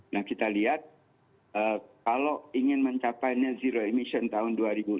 nah kita lihat kalau ingin mencapainya zero emission tahun dua ribu enam puluh